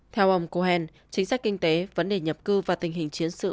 theo ông cohen chính sách kinh tế vấn đề nhập cư và tình hình chiến sự